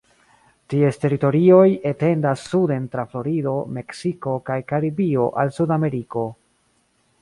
Ties teritorioj etendas suden tra Florido, Meksiko kaj Karibio al Sudameriko.